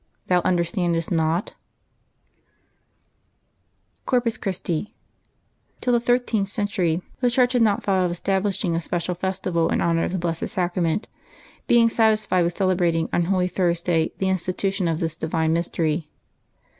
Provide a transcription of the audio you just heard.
Thou un derstandest not" ? CORPUS CHRISTL ^<iLL the thirteenth century the Church had not V^ thought of establishing a special festival in honor of the Blessed Sacrament, being satisfied with celebrating on Holy Thursday the institution of this divine mystery.